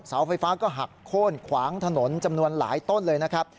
เสาไฟฟ้าก็หักโค้นขวางถนนจำนวนหลายต้นเลยนะครับ